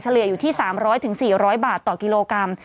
เลี่ยอยู่ที่๓๐๐๔๐๐บาทต่อกิโลกรัม